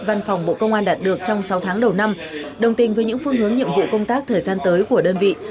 văn phòng bộ công an đạt được trong sáu tháng đầu năm đồng tình với những phương hướng nhiệm vụ công tác thời gian tới của đơn vị